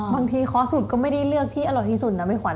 บางทีคอสสูตรก็ไม่ได้เลือกที่อร่อยที่สุดนะเมฝีควร